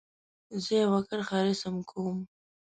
زه یو کرښه رسم کوم.